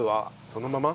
そのまま？